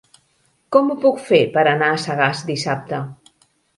Com ho puc fer per anar a Sagàs dissabte?